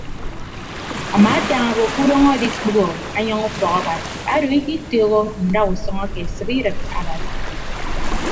Amaatañ obo ke udọñ adikpʌghọ anyịñ ufọk abasi odo ikitooho ndausʌñ ake sibidịt abasi.